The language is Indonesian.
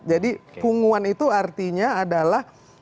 jadi punggungan itu artinya adalah